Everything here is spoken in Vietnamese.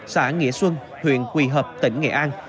xã nghĩa xuân huyện quỳ hợp tỉnh nghệ an